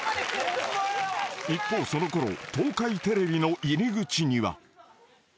［一方そのころ東海テレビの入り口には］